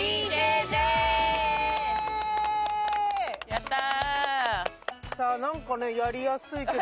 やった。